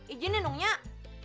ijinin dong nyak